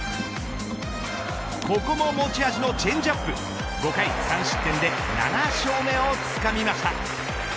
ここも持ち味のチェンジアップ５回３失点で７勝目をつかみました。